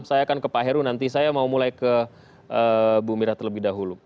saya akan ke pak heru nanti saya mau mulai ke bu mira terlebih dahulu